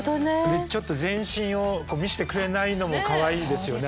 でちょっと全身を見せてくれないのもかわいいですよね